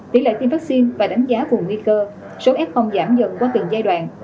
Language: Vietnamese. tỷ lệ tiêm vaccine và đánh giá vùng nguy cơ số f giảm dần qua từng giai đoạn